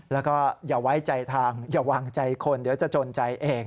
แล้วก็อย่าไว้ใจทางอย่าวางใจคนเดี๋ยวจะจนใจเอง